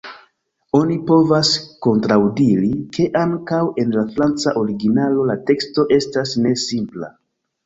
Oni povas kontraŭdiri, ke ankaŭ en la franca originalo la teksto estas ne simpla.